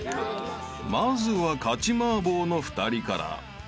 ［まずは勝ちマーボーの２人から］